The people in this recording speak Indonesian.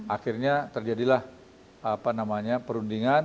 akhirnya terjadilah perundingan